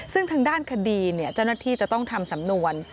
ซึ่งทางด้านคดีเจ้าหน้าที่จะต้องทำสำนวน